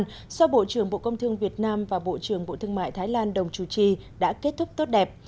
do bộ trưởng bộ công thương việt nam và bộ trưởng bộ thương mại thái lan đồng chủ trì đã kết thúc tốt đẹp